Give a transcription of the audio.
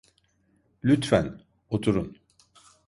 Lütfen, oturun.